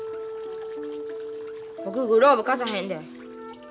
僕グローブ貸さへんで。